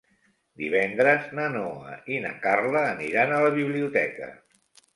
Divendres na Noa i na Carla aniran a la biblioteca.